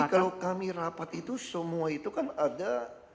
jadi kalau kami rapat itu semua itu kan ada